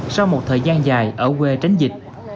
sau một thời gian dài ở quê tránh dịch